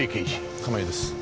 亀井です。